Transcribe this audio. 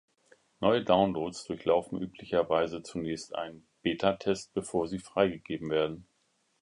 Neue Downloads durchlaufen üblicherweise zunächst einen Betatest, bevor sie freigegeben werden.